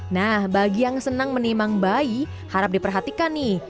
nah bagi yang senang menimang bayi harap diperhatikan nih